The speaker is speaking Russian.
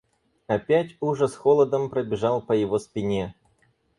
Опять ужас холодом пробежал по его спине.